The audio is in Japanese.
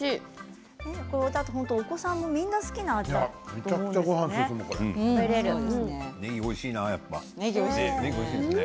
お子さんもみんな好きな味ですよね。